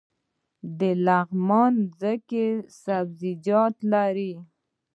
د لغمان ځمکې سبزیجات لري